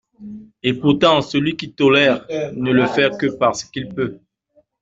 Et pourtant, celui qui 'tolère' ne le fait que parce qu'il peut